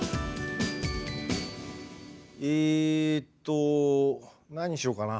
えっと何にしようかな。